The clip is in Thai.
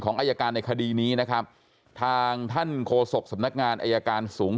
อายการในคดีนี้นะครับทางท่านโฆษกสำนักงานอายการสูง